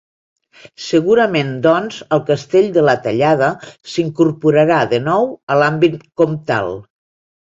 Segurament, doncs, el castell de la Tallada s'incorporà, de nou, a l'àmbit comtal.